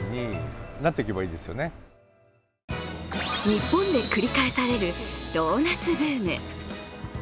日本で繰り返されるドーナツブーム。